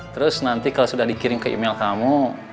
terus nanti kalau sudah dikirim ke email kamu